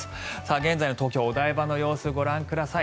現在の東京・お台場の様子ご覧ください。